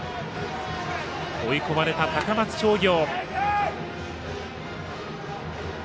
追い込まれた高松商業。